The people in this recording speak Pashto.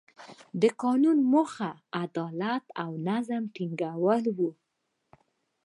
د قانون موخه د عدالت او نظم ټینګول وو.